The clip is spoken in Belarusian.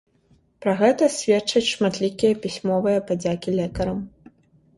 Пра гэта сведчаць шматлікія пісьмовыя падзякі лекарам.